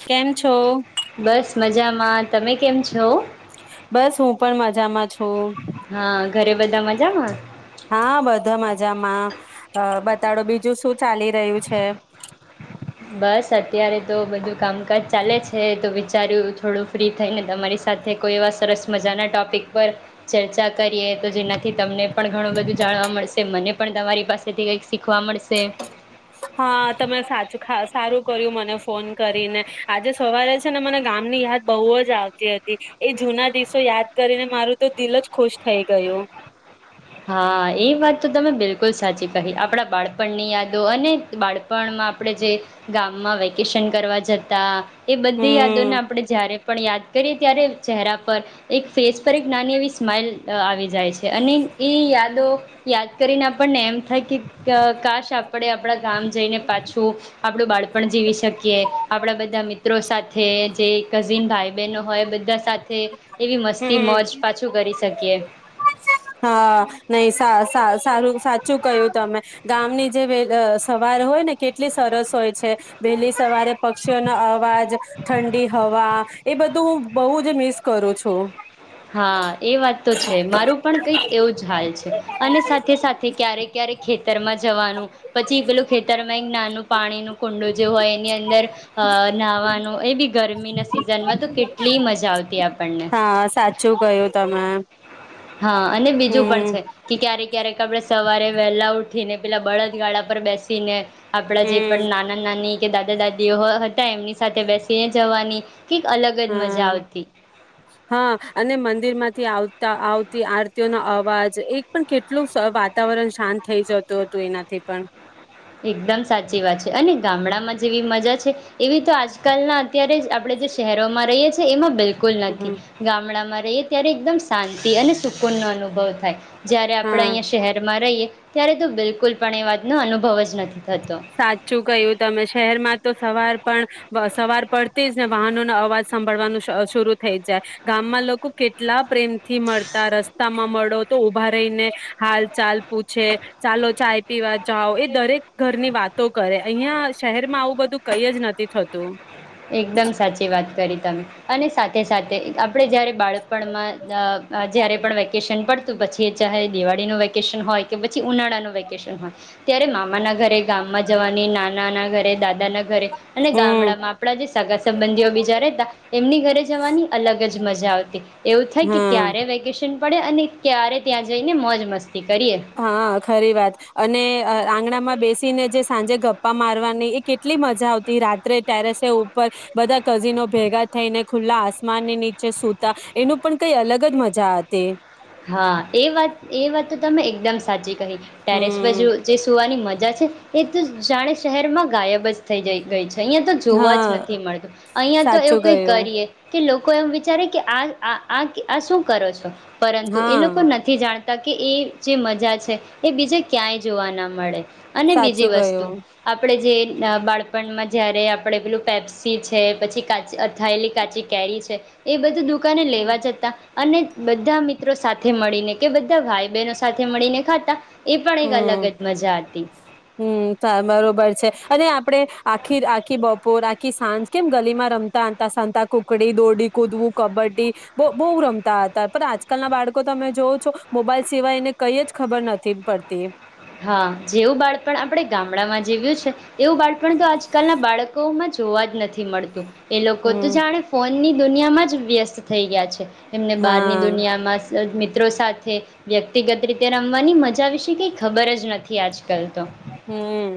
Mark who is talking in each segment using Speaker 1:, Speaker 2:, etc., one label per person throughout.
Speaker 1: કેમ છો?
Speaker 2: બસ મજામાં. તમે કેમ છો?
Speaker 1: જામાં છું.
Speaker 2: હા, ઘરે બધા મજામાં?
Speaker 1: હા, બધા મજામાં. અહ બતાડો બીજું શું ચાલી રહ્યું છે?
Speaker 2: બસ અત્યારે તો બધું કામકાજ ચાલે છે, તો વિચાર્યું થોડું ફ્રી થઈને બમ મારી સાથે કોઈ એવા સરસ મજાના ટોપિક પર ચર્ચા કરીએ તો જેનાથી તમને પણ ઘણું બધું જાણવા મળશે મને પણ તમારી પાસેથી કંઈક શીખવા મળશે.
Speaker 1: હા, તમે સાચું ખા સારું કર્યું મને ફોન કરીને. આજે સવારે છે ને મને ગામની યાદ બહુ જ આવતી હતી. એ જૂના દિવસો યાદ કરીને મારું તો દિલ જ ખુશ થઈ ગયું.
Speaker 2: હા, એ વાત તો તમે બિલકુલ સાચી કહી. આપણા બાળપણની યાદો અને બાળપણમાં આપણે જે ગામમાં વેકેશન કરવા જતા એ બધી
Speaker 1: હમ્મ
Speaker 2: યાદોને આપણે જ્યારે પણ યાદ કરીએ ત્યારે ચહેરા પર એક ફેસ પર એક નાની એવી સ્માઈલ અહ આવી જાય છે અને એ યાદો યાદ કરીને આપણને એમ થાય કેઅહ કાશ આપણે આપણા ગામ જઈને પાછું આપણું બાળપણ જીવી શકીએ. આપણા બધા મિત્રો સાથે જે કઝિન ભાઈ બહેનો હોય બધા સાથ થે એવી મસ્તી
Speaker 1: હમ્મ
Speaker 2: મોજ પાછું કરી શકીએ.
Speaker 1: હા નહી સા સા. સારું, સાચું કહ્યું તમે. ગામની જે સવાર હોય ને કેટલી સરસ હોય છે. વહેલી સવારે પક્ષીઓનો અવાજ ઠંડી હવા એ બધું હું બહુ જ મિસ કરું છું.
Speaker 2: હા, એ વાત તો છે, મારું પણ કંઈક એવુંજ હાલ છે અને સાથે સાથે ક્યારે ક્યારે ખેતરમાંજ જવાનું, પછી પેલું ખેતરમાં એક નાનું પાણીનું કુંડું જે હોય એની અંદર નાહાવાનું એ બી ગરમીના સિઝનમાં, તો કેટલી મજા આવતી આપણને.
Speaker 1: ચુ કહ્યું તમે?
Speaker 2: હા અને બીજું પણ
Speaker 1: હમ
Speaker 2: છે કે ક્યારેક ક્યારેક આપડે સવારે વહેલા ઉઠીને, પેલા બળદગાળા પર બેસી ને આપડા જે
Speaker 1: હમ
Speaker 2: પણ નાના નાની કે દાદા દાદીઓ હતા, એમની સાથે બેસીને જવાની કંઈક અલગ જ મજા
Speaker 1: હમ્મ,
Speaker 2: આવતી
Speaker 1: હા અને મંદિર માંથી આવ તા આવતી આરતીઓ ના અવાજ એક પણ કેટલું વાતાવરણ શાંત થઈ જતું હતું, એનાથી પણ.
Speaker 2: એકદમ સાચી વાત છે અને ગામડામાં જેવી મજા છે, એવી તો આજકાલના અત્યારે જ આપણે જે શહેરોમાં રહીએ છીએ એમાં બિલકુલ. બલકુલ નથી,
Speaker 1: હમ
Speaker 2: ગામડામાં રહી ત્યારે એકદમ શાંતિ અને સુકૂનનો અનુભવ જયારે આપણે
Speaker 1: હા
Speaker 2: અહીંયા શહેરમાં રહીએ ત્યારે તો બિલકુલ પણ એ વાતનો અનુભવ જ નથી.
Speaker 1: સાચું કહ્યું તમે શહેરમાં તો સવાર પણ સવાર પડતી જ ને વાહનોનો અવાજ સાંભળવાનો શરૂ થઈ જાય ગામમાં લોકો કેટલા પ્રેમથી મળતા રસ્તા રસ્તામાં મળો તો ઉભા રહીને હાલ ચાલ પૂછે ચાલો ચાય પીવા જાાવ એ દરેક ઘર ની વાતો કરે અહિયાં શહેરમાં આવું બધું કઈ જ નથી થતું
Speaker 2: એકદમ સાચી વાત કરી તમે અને સા સાથે આપણે જયારે બાળપણમાં જ્યારે પણ વેકેશન પડતું પછી ચહે દિવાળીનું વેકેશન હોય કે પછી ઉનાળાનું વેકેશન હોય ત્યારે મામાના ઘરે ગામમાં જવાની નાનાના ઘરે દાદાના ઘરે અને
Speaker 1: હમ
Speaker 2: ગામડામાં [inaudible] સંબંધીઓ બીજા રહેતા એમની ઘરે જવાની અલગ જ મજા આવતી એવું થાય કે
Speaker 1: હમ
Speaker 2: ક્યારે વેકેશન પડે અને ક્યારે ત્યાં જઈને મોજ મસ્તી કરીએ
Speaker 1: હા ખરી વાત અને આંગણામાં બેસીને જે સાંજે ગપ્પા મારવાની એ કેટલી મજા આવતી રાત્રે ટેરેસે ઉપર બધા કઝિનો ભેગા થઈને ખુલ્લા આસમાનની નીચે સૂતા એનું પણ કઈ અલગ જ મજા હતી.
Speaker 2: હા એ વાત એ વાત તો તમે એકદમ સ સાચી કહી. ટેરેસ પર
Speaker 1: હમ
Speaker 2: જુ જે સુવાની મજા છ એક તો જાણે શહેરમાં ગાયબ જ થઈ જઈ ગ ગઈ છે. અહીયા તો જોવા જ
Speaker 1: હા
Speaker 2: નથી મળતી. અહિયાં તો
Speaker 1: સાચું
Speaker 2: એવું કઈ
Speaker 1: ગયું
Speaker 2: કરીએ કે લો કોઈ એમ વિચારે કે આ-આ-આ-આ શું કરો છો? પરંતુ એ લોકો
Speaker 1: હા
Speaker 2: નથી જાણતા તી કે એ જે મજા છે એ બીજે ક્યાંય જોવા ના મળે. અને બીજી
Speaker 1: સાચું
Speaker 2: વસ્તુ,
Speaker 1: ગયું
Speaker 2: આપણે જે જ બાળપણમાં જયારે આપડે પેલું પેપ્સી છે, પછી કાચી અથાયેલી કાચી કેરી છે, એ બધું દુ કાને લેવા જતા અને બધા મિત મત્રો સાથે મળીને કે બધા ભાઈ બહેનો સાથે મળીને ખાતા. એ પણ એક અલગ જ મજા હતી
Speaker 1: હમ્મ-હમ્મ, સા બરોબર છે અને આપડે આ આખી-આખી બપોર, આખી સાંજ કેમ ગલીમાં રમતા હતા, સાતા કુકડી, દોરડી કૂદવું, કબડ્ડી બહું-બહુ રમતા હતા પણ આજકાલ ના બાળકો તમે જોઓ છો મોબાઈલ સિવાય એને કઈ જ ખબર નથી પડ તી.
Speaker 2: હા જેવું બાળપણ આપડે ગામડામાં જીવીયું છે એવું બાળપણ તો આજકાલ ના બાળકોમાં જોવા જ નથ થી મળતું. એ લોકો તો
Speaker 1: હમ
Speaker 2: જાણે ફોન ની દુનિયામાં જ વ્યસ્ત થઈ ગયા છે. એમને બહારની
Speaker 1: હા
Speaker 2: દુનિયામાં [unintelligible] મિત્રો સાથે વ્યક્તિગત રીતે રમવાની મજા વિશે કંઈક ખબર જ નથી આજકાલ તો.
Speaker 1: હમ્મ,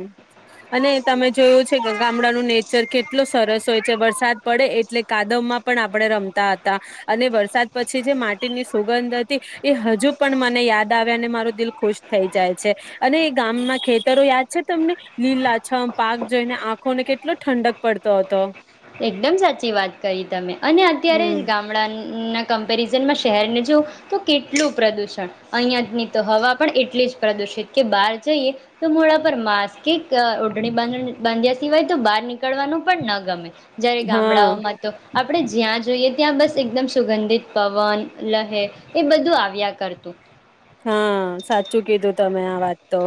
Speaker 1: અને તમે જોયું છે ગ ગામડાનું નેચર કેટલો સરસ હોય છે, વરસાદ પડે એટલે કાદવમાં પણ આપણે રમતા હતા, અને વરસાદ પછી જે માટીની સુગંધ હતી એ હજુ પણ મને યાદ આવે, અને મારું દિલ ખુશ થઈ જાય છે અને એ ગામમાં ખેત તરો યાદ છે તમને, લીલા છમ પાક જોઈને આંખોને કેટલો ઠંડક પડતો હતો.
Speaker 2: એકદમ સાચી વાત કરી તમે, અને અત્યારે
Speaker 1: હમ
Speaker 2: ગામડાનું ના કમ્પેરિઝનમાં શહેરને જોવ તો કેટલું પ્રદુષણ. અહિયાંની જ તો હવા પણ એટલી જ પ્રદુષિત કે બહાર જઈએ તો મોડા પર માસ્ક કે અહ ઓઢડી બાંધવી બાંધ્યા સિવાય તો બહાર નીકળવાનું પણ ન ગમે. જાણે
Speaker 1: હા
Speaker 2: ગામડાઓમાં તો આ આપણે જ્યાં જોઈએ ત્યાં બસ એકદમ સુંગંધિત પવન, લહેર એ બધું આવ્યા કરતું.
Speaker 1: હા સાચું કીધું તમે આ વાત તો.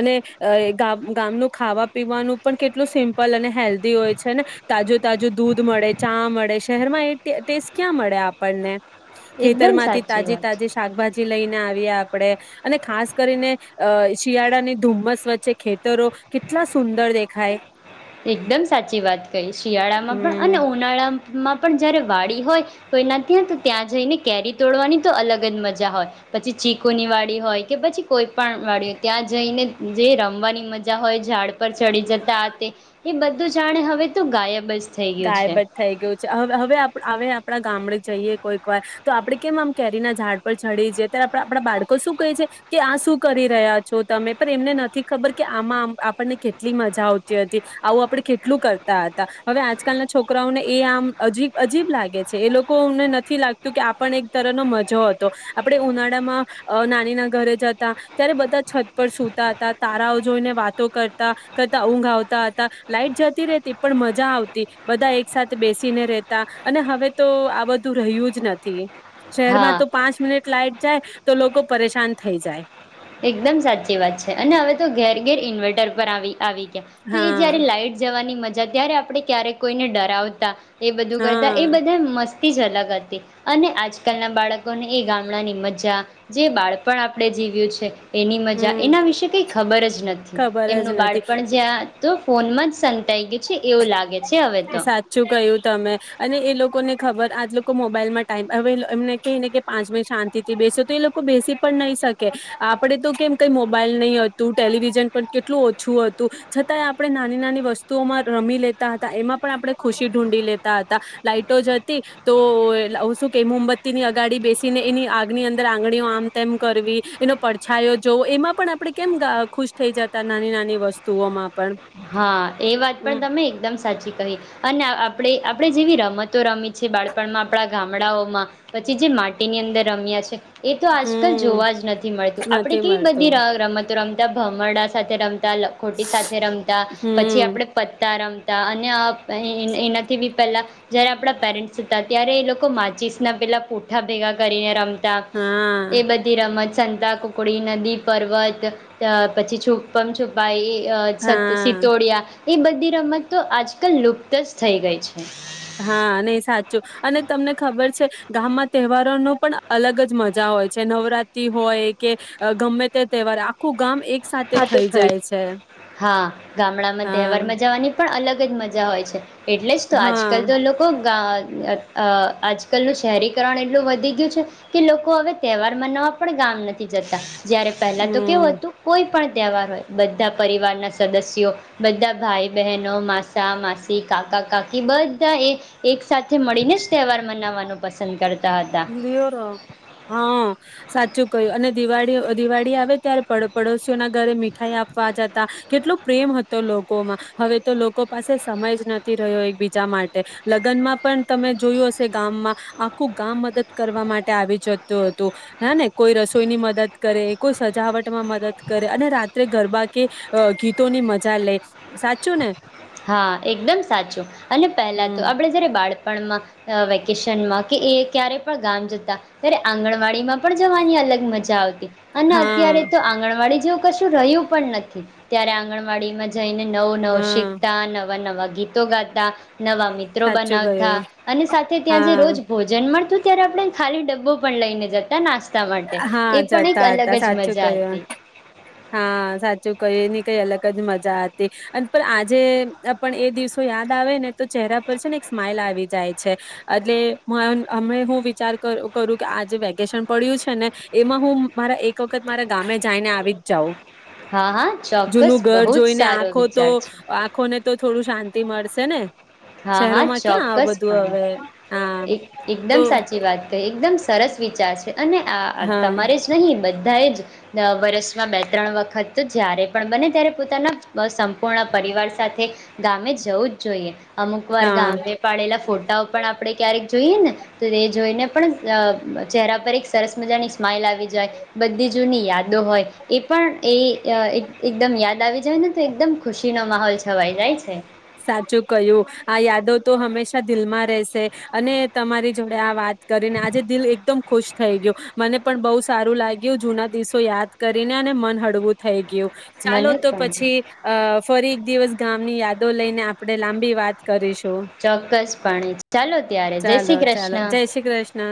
Speaker 1: અને એ ગામ ગામનું ખાવા પીવાનું પણ કેટલું સિમ્પલ અને હેલ્ધી હોય છે ને, તાજું-તાજું દૂધ મળે, ચા મળે. શહેરમાં એ ટે ટેસ્ટ ક્યાં મળે આપણને. ખેતર
Speaker 2: એકદમ
Speaker 1: માંથી
Speaker 2: સાચી વાત
Speaker 1: તાજી-તાજી શાકભાજી લઈને આવ આપણે, અને ખાસ કરીને અહ શિયાળા ની ધુમ્મસ વચ્ચે ખેતરો કેટલા સુંદર દેખાય.
Speaker 2: એકદમ સાચી વાત કઈ, શિયાળામાં પણ
Speaker 1: હમ
Speaker 2: અને ઉનાળામાં માં પણ જયારે વાડી હોય તોઈ ના ત્યાં તો ત્યાં જઈને કેરી તોડવાની તો અલગ જ મજા હોય, પછી ચીકુની વાડી હોય, કે પછી કોઈ પણ વાડી હોય ત્યાં જઈને જે રમવાની મજા હોય ઝાડ પર ચડી જતા તે એ બધું જાણે હવે તો ગાયબ જ થઈ ગયું છે
Speaker 1: ગાયબ જ થઈ ગયું છે, હવે-હવે-હવે આપ હવે આપ આપણા ગામડે જઈએ કોઈક વાર તો આપડે કેમ આમ કેરી ના ઝાડ પર ચડી જેથી આપ આપણા બાળકો શું કહે છે કે આ શું કરી રહ્યા છો તમે, પણ એમને નથી ખબર કે આમાં આપણને કેટલી મજા આવતી હતી, આવું આપણે કેટલું કરતા હતા. હવે આજ આજકાલના છોકરાઓને એ આમ અબ અજીબ લાગે છે એ લોકોને નથી લાગતું કે આપ પણ એક તર ન મજો હતો. આપડણે ઉનાળામાં નાની ના ઘરે જતા ત્યારે બધા છત પર સૂતા હતા, તારાઓ જોઈને વાતો કરતા કરતા, ઊંઘ આવતા હતા, લાઈટ જતી રહેતી પણ મજા આવતી બધા એક સાથે બેસીને રેતા અને હવે તો આ બધું રહ્યું જ નથી.
Speaker 2: હા
Speaker 1: શહેરમાં તો પાંચ મિનિટ લાઈટ જાય તો લોકો પરેશાન થઈ જાય.
Speaker 2: એકદમ સાચી વાત છે અને હવે તો ઘેર ઘેર ઇન્વર્ટર પર આવી આવી તો એ
Speaker 1: હા
Speaker 2: જયારે લાઈટ જવાની મજા ત્યારે આપણે ક્યારેક કોઈને ડરાવતા એ બધું કરતા એ
Speaker 1: હા
Speaker 2: બધા મસ થી જ અલગ હતી અને આજકાલના બાળકોને એ ગામડાની મજા જે બાળપણ આપણે જીવ્યું છે કે એની મજા
Speaker 1: હમ
Speaker 2: એના વિશે કંઈ ખબર જ નથી.
Speaker 1: ખબર જ
Speaker 2: એમનું
Speaker 1: નથી
Speaker 2: બાળપણ જ્યાં તો ફોન માં જ સંતાઈ ગયું છે એવું લાગે છે હવે તો
Speaker 1: સાચું કયું તમે અને એ લોકોને ખબર આજ લોકો મોબાઈલમાં ટાઈમ હવે એમને કહીને કે પાંચ મિનિટ શાંતિ થી બેસે તો એ લોકો બેસી પણ નહી શકે. આપડે તો કેમ કઈ મોબાઈલ નહી હતું, ટેલિવિઝન પણ કેટલું ઓછું હતું છતાં આપણે નાની નાની વસ્તુઓમાં રમી લેતા હતા એમાં પણ આપણે ખુશી ઢૂંઢી લેતા હતા લાાઈટો જ હતી તો શું કે મોમબત્તી ની અગાડી બેસીને એની આગની અંદર આંગળીઓ આમ તેમ કરવી એનો પડછાયો જોવો એમાં પણ આપણે કેમ ખુશ થઈ જતા નાની નાની વસ્તુઓમાં પણ.
Speaker 2: હા એ વાત
Speaker 1: હમ
Speaker 2: પણ તમે એકદમ સાચી કહી અને આપણે આપણે જેવી રમતો રમી છે બાળપણમાં આપણા ગામડાઓમાં પછી જે માટીની અંદર રમ્યા છે એ તો આજકાલ
Speaker 1: હમ
Speaker 2: જોવા જ નથી મળતું આપણે
Speaker 1: નથી
Speaker 2: કેવી
Speaker 1: મળતું
Speaker 2: બધી રમતો ર ભમરડા સાથે રમતા, લખોટી સાથે રમતા તા પછી
Speaker 1: હમ
Speaker 2: આપડે પતા રમ રમતા અને [unintelligible] એ એનાથી. પહેલા જયારે આપણા પેરેન્ટસ હતા, ત્યારે એ લોકો માચીસના પેલા પઠા ભેગા કરીને રમ તા, એ
Speaker 1: હા
Speaker 2: બધી રમત. સંતા કુકડી, નદી પર્વત, પછી છુપમ છુપાઈ. અહ, સત
Speaker 1: હા
Speaker 2: સીતોડિયા. એ બધી રમત તો આજકાલ લુપ્તજ થઈ ગઈ છે.
Speaker 1: હા, નહી સાચું અને તમને ખબર છે, ગામમાં તહેવારોનો પણ અલગજ મજા હોય છે. નવરાત્રી હોય કે ગમે તે તહેવાર આખું ગામ એક સાથે
Speaker 2: હા, તો
Speaker 1: થઈ
Speaker 2: થય.
Speaker 1: જાય છે
Speaker 2: હા, ગામડામાં
Speaker 1: હા
Speaker 2: તહેવારમાં જાવાની પણ અલગ જ મજા હોય છે. એટલે જ તો
Speaker 1: હા
Speaker 2: આજકાલ તો લોકો ગા અહ આજકાલ ન શહેરીકરણ એટલું વધી ગયું છે, કે લોકો હવે તહેવાર મનાવવા પણ ગામ નથી જતા. જ્યારે પહેલાં તો
Speaker 1: હમ
Speaker 2: કેવું હતું ને પણ તહેવાર હોય બધા પરિવારના સદસ્યો બધા ભાઈ બહેનો માસા માસી કાકા કાકી બધા એ એક સાથે મળીને જ તહેવાર મનાવવાનું પસંદ કર
Speaker 1: બીઓરો હા સાચું કયું અને દિવાળી ઓ દિવાળી આવે ત્યારે પડ-પડોશઓના ઘરે મીઠાઈ આપવા જતા કેટલો પ્રેમ હતો લોકોમાં. હવે તો લોકો પાસે સમય જ નથી રહ્યો એકબીજા માટે. લગ્નમાં પણ તમે જોયું હશે ગામમાં આખું કામ મદદ કરવા માટે આવી જતું હતું હે ને. કોઈ રસોઈ ની મદદ કરે, કોઈ સજાવટ માં મદદ કરે, અને રાત્રે ગરબા કે અહ ગીતોની મજા લે, સાચું ને?
Speaker 2: હા, એકદમ સાચું અને પહેલા તો
Speaker 1: હમ
Speaker 2: આપણે જ્યારે બાળ પણમાં અહ વેકેશનમાં કે એ ક્યારેય પણ ગામ જતા ત્યારે આંગણવાડીમાં પણ જવાની અલગ મજા આવતી. અને
Speaker 1: હા
Speaker 2: અત્યારે તો આંગણવાડી જો કશું રહ્યું પણ નથી ત્યારે આંગણવાડીમાં જઈને નવ નવ
Speaker 1: હા
Speaker 2: શીક નવા નવા ગીતો ગાતા નવા મિત્રો
Speaker 1: સાચું
Speaker 2: બનાવથા
Speaker 1: કયું
Speaker 2: અને સાથે ત્યાં જે
Speaker 1: હા
Speaker 2: રોજ ભોજન મળતું અયારે આપણે ખાલી ડબ્બો પણ લઈને જતા નાસ તા માટે. એ
Speaker 1: હા
Speaker 2: પણ એક
Speaker 1: જતા
Speaker 2: અલગ
Speaker 1: હતા
Speaker 2: જ
Speaker 1: સાચું
Speaker 2: મજા
Speaker 1: કયું
Speaker 2: હતી.
Speaker 1: હા સાચું કઈની કઈ અલગ જ મજા હતી. અને પણ આજે પણ એ દિવસો યાદ આવે ને તો ચહેરા પર છે ને એક સ્માઈલ આવી જાય છે. એટલે માન હમે હું વિચાર કરું-કરું કે આજે વેકેશન પડ્યું છે ને એમાં હું મારા એક વખત મારા ગામે જઈને આવી જાઓ.
Speaker 2: હા હા ચોક્કસ
Speaker 1: જૂનું ઘર
Speaker 2: બહુ જ
Speaker 1: જોઈને
Speaker 2: સારો
Speaker 1: આંખો તો
Speaker 2: વિચાર છે
Speaker 1: આંખોને તો થોડું શાંતિ મળશ છે ને?
Speaker 2: હા હા
Speaker 1: શહેરોમાં ક્યાં આ
Speaker 2: ચોક્કસ
Speaker 1: બધું
Speaker 2: પણે
Speaker 1: હવે હા
Speaker 2: એક
Speaker 1: તો
Speaker 2: એકદમ સાચી વાત ક એકદમ સરસ વિચાર છે. અને આ
Speaker 1: હા
Speaker 2: તમારે જ નહીં બ ધા એજ દર વર્ષમાં બે ત્રણ વખત તો જ્યારે પણ બને ત્યારે પોતાના સંપૂર્ણ પરિવાર સાથે ગામે જવું જ જોઈએ. અમુક વાર
Speaker 1: હા
Speaker 2: ગામે પાડેલા ફોટાઓ પણ આપડે ક્યારેક જોઈએ ને તો તે જોઈને પણ અ ચહેરા પર એક સરસ મજાની સ્માઈલ આવી જાય બધી જૂની યાદો હોય એ પણ એ એકદમ યાદ આવી જાય ને તો એકદમ ખુશીનો માહોલ છે છવાઈ જાય છે.
Speaker 1: [unintelligible] આ યાદો તો હંમેશા દિલમાં રહેશે અને તમારી જોડે આ વાત કરીને આજે દિલ એકદમ ખુશ થઈ ગયો. મને પણ બહુ સારું લાગ્યું જૂના દિવસો યાદ કરીને અને મન હળવું થઈ ગયું. ચાલો
Speaker 2: મને
Speaker 1: તો
Speaker 2: પણ
Speaker 1: પછી અ ફરી એક દિવસ ગામની યાદો લઈને આપણે લાંબી વાત કરીશું.
Speaker 2: ચોક્કસપણે [unintelligible] ચાલો ત્યારે જય શ્રી
Speaker 1: ચાલો ચાલો
Speaker 2: કૃષ્ણ.
Speaker 1: જય શ્રી કૃષ્ણ